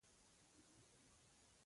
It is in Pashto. او اوس په خاورو کې پراته دي.